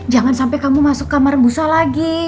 jangan sampai kamu masuk kamar busa lagi